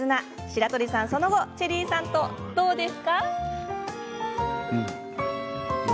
白鳥さん、その後はチェリーさんとどうですか？